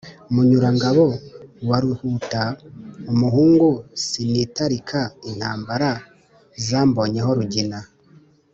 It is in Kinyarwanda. Munyurangabo wa Ruhuta, umuhungu sinitalika intambara zambonyeho Rugina.